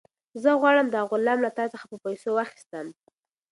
زه غواړم دا غلام له تا څخه په پیسو واخیستم.